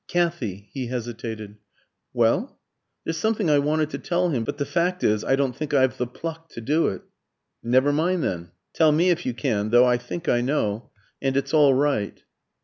"Kathy " he hesitated. "Well?" "There's something I wanted to tell him; but the fact is, I don't think I've the pluck to do it." "Never mind, then. Tell me if you can; though I think I know, and it's all right."